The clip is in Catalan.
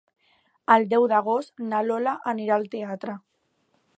El deu d'agost na Lola anirà al teatre.